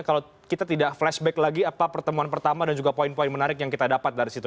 kalau kita tidak flashback lagi apa pertemuan pertama dan juga poin poin menarik yang kita dapat dari situ